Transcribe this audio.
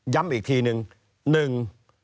ย้ำอีกทีนึง